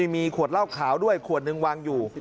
มีขวดเหล้าขาวด้วยขวดหนึ่งวางอยู่